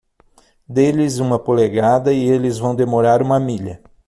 Dê-lhes uma polegada e eles vão demorar uma milha.